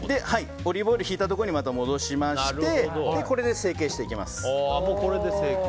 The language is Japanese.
オリーブオイル引いたところに戻しましてこれで成形していきます。